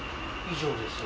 以上です。